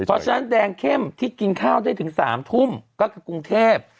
อืมอืม